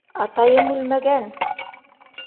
Атайым үлмәгән!